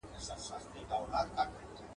ملا غاړي كړې تازه يو څه حيران سو !.